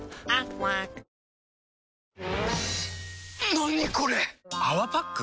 何これ⁉「泡パック」？